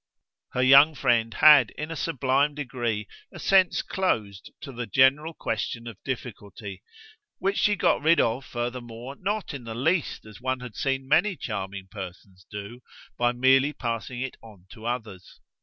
Her young friend had in a sublime degree a sense closed to the general question of difficulty, which she got rid of furthermore not in the least as one had seen many charming persons do, by merely passing it on to others.